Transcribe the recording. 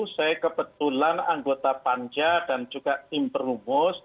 saya kebetulan anggota panja dan juga tim perumus